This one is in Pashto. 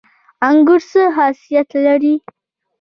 انګور څه خاصیت لري؟